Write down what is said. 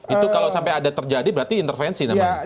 itu kalau sampai ada terjadi berarti intervensi namanya